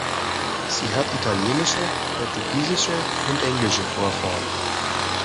Sie hat italienische, portugiesische und englische Vorfahren.